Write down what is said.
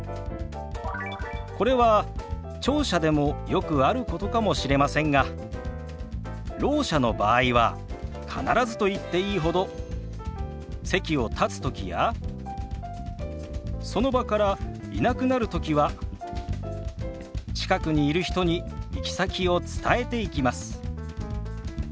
これは聴者でもよくあることかもしれませんがろう者の場合は必ずと言っていいほど席を立つときやその場からいなくなるときは近くにいる人に行き先を伝えていきます。